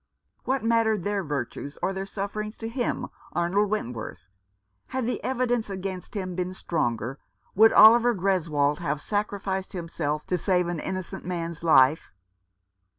What mattered their virtues or their sufferings to him, Arnold Wentworth ? Had the evidence against him been stronger, would Oliver Greswold have sacrificed himself to save an innocent man's life